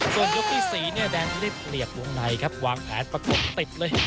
ส่วนยกที่๔เนี่ยแดงได้เปรียบวงในครับวางแผนประกบติดเลย